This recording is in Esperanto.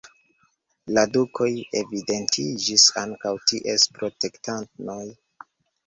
La dukoj evidentiĝis ankaŭ ties protektanoj.